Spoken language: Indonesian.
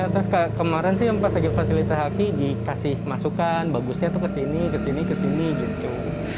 terus kemarin sih pas lagi fasilitas haki dikasih masukan bagusnya tuh kesini kesini kesini gitu